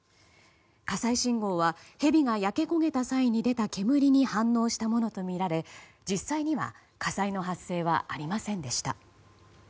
火災信号はヘビが焼け焦げた際に出た煙に反応したものとみられ実際には火災の発生はありませんでした。